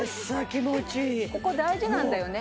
ここ大事なんだよね